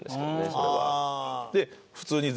それは。